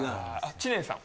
知念さん。